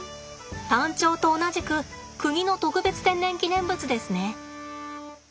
タンチョウと同じく国の特別天然記念物ですね。